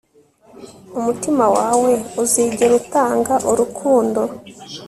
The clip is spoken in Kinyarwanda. umutima wawe uzigera utanga urukundo